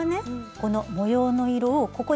この模様の色をここでね